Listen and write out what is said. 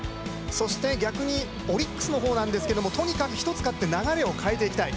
そして逆にオリックスの方はとにかく１つ勝って、流れを変えていきたい。